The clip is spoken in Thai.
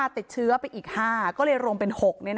ติดเชื้อไปอีก๕ก็เลยรวมเป็น๖